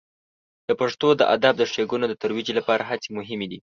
د پښتو د ادب د ښیګڼو د ترویج لپاره هڅې مهمې دي.